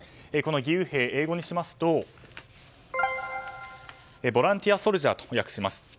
この義勇兵を英語にしますとボランティアソルジャーと訳せます。